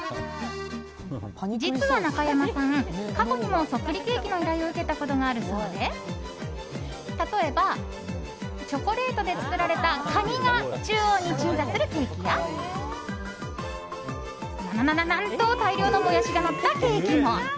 実は中山さん、過去にもそっくりケーキの依頼を受けたことがあるそうで例えばチョコレートで作られたカニが中央に鎮座するケーキや何と大量のモヤシがのったケーキも。